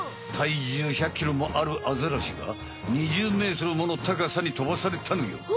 体重１００ｋｇもあるアザラシが２０ｍもの高さに飛ばされたのよ。